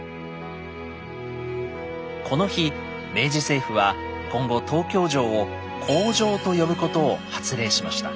この日明治政府は今後東京城を「皇城」と呼ぶことを発令しました。